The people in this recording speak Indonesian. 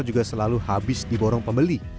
juga selalu habis di borong pembeli